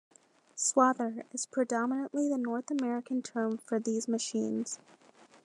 "Swather" is predominantly the North American term for these machines.